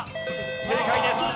正解です。